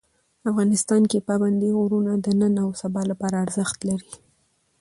افغانستان کې پابندي غرونه د نن او سبا لپاره ارزښت لري.